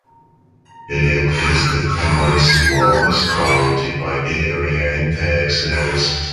It is the third smallest county by area in Texas.